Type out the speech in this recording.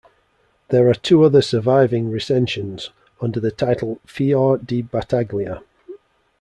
There are two other surviving recensions, under the title Fior di Battaglia.